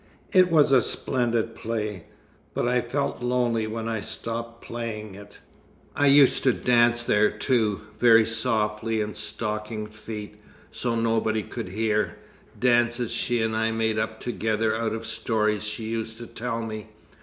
It was a splendid play but I felt lonely when I stopped playing it. I used to dance there, too, very softly in stockinged feet, so nobody could hear dances she and I made up together out of stories she used to tell me.